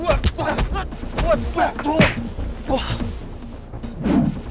woy yang berantem disini